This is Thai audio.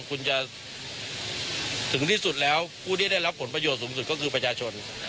คุณจะถึงที่สุดแล้วผู้ที่ได้รับผลประโยชน์สูงสุดก็คือประชาชน